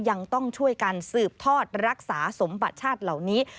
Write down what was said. ยังต้องช่วยกันสืบทอดรักษาสมบัติชาติเหล่านี้